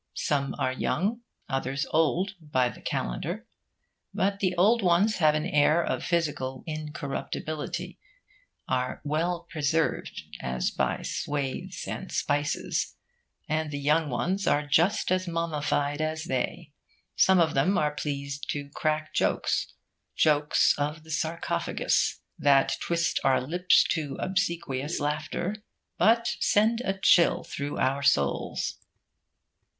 Some are young, others old, by the calendar. But the old ones have an air of physical incorruptibility are 'well preserved,' as by swathes and spices; and the young ones are just as mummified as they. Some of them are pleased to crack jokes; jokes of the sarcophagus, that twist our lips to obsequious laughter, but send a chill through our souls.